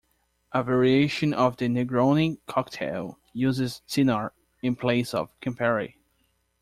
A variation of the Negroni cocktail uses Cynar in place of Campari.